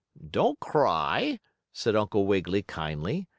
"Don't cry," said Uncle Wiggily, kindly.